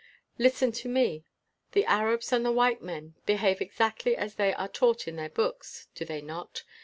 Listen to me. The Arabs and the white men behave exactly as they are taught in their books, do they not?